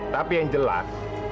tapi yang jelas